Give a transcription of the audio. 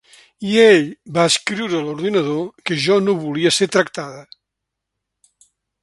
I ell va escriure a l’ordinador que jo no volia ser tractada.